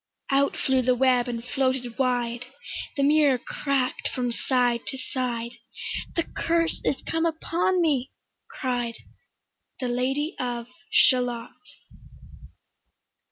Out flew the web and floated wide; The mirror crack'd from side to side; "The curse is come upon me," cried The Lady of Shalott.